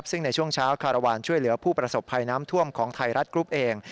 ซึ่งในช่วงเช้าคารวาลช่วยเหลือผู้ประสบภัยน้ำท่วมของไทยรัฐกรุ๊ปเอง